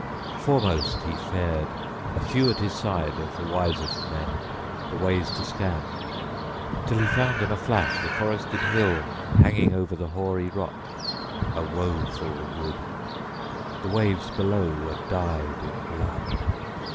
Foremost he {21a} fared, a few at his side of the wiser men, the ways to scan, till he found in a flash the forested hill hanging over the hoary rock, a woful wood: the waves below were dyed in blood.